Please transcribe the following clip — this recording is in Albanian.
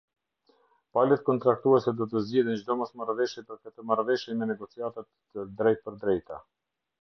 Palët Kontraktuese do të zgjidhin çdo mosmarrëveshje për këtë Marrëveshje me negociata të drejtpërdrejta.